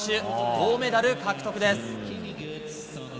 銅メダル獲得です。